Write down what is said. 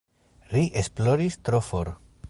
Ri esploris tro for.